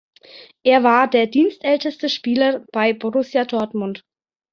Er war der dienstälteste Spieler bei Borussia Dortmund.